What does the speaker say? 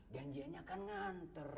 dan dia akan nganter